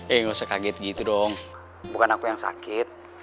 eh nggak usah kaget gitu dong bukan aku yang sakit